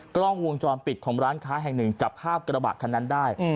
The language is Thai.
กล้องวงจรปิดของร้านค้าแห่งหนึ่งจับภาพกระบะคันนั้นได้